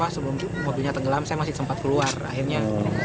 sebelum mobilnya tenggelam saya masih sempat keluar akhirnya